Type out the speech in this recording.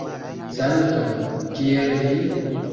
Saluton! Kiel vi?